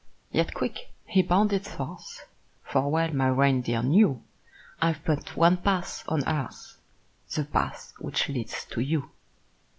Yet quick he bounded forth; For well my reindeer knew I've but one path on earth The path which leads to you.